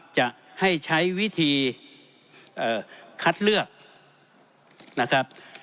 จะให้ใช้วิธีคัดเลือกนะครับ